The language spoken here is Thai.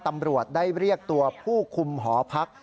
ที่เรียกตัวผู้คุมหอพัก